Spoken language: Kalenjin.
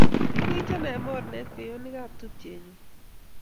ikichon eng' morne kweyonikab tupchenyu